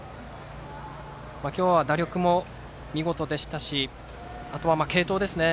今日は打力も見事でしたしあとは継投ですね。